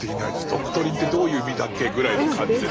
「ドクトリン」ってどういう意味だっけぐらいの感じです。